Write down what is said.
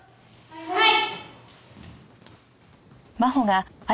はい！